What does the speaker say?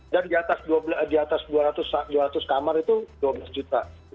dan di atas dua ratus kamar itu dua belas juta